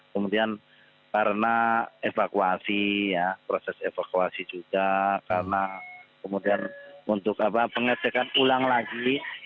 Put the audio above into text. kemudian karena evakuasi proses evakuasi juga karena kemudian untuk pengecekan ulang lagi